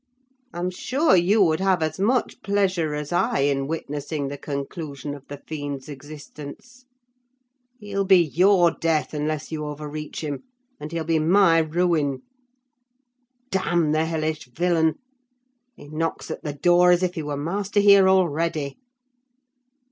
I'm sure you would have as much pleasure as I in witnessing the conclusion of the fiend's existence; he'll be your death unless you overreach him; and he'll be my ruin. Damn the hellish villain! He knocks at the door as if he were master here already!